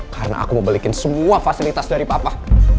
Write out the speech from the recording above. karena aku mau belikin semua fasilitas dari papa